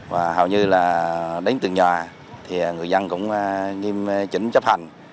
và hầu như là đến từ nhà người dân cũng nghiêm chính chấp hành